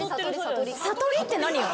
さとりって何よ。